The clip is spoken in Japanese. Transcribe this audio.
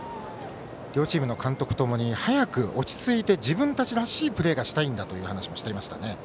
両チームの監督ともに早く落ち着いて自分たちらしいプレーがしたいんだという話もしていました。